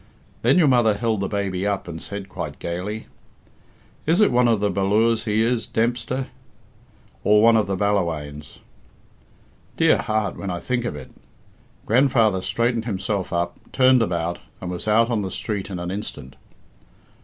Then your mother held the baby up and said quite gaily, 'Is it one of the Ballures he is, Dempster, or one of the Ballawhaines?' Dear heart when I think of it! Grandfather straightened himself up, turned about, and was out on the street in an instant."